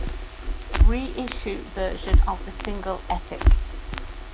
Reissue version of the single "Epic".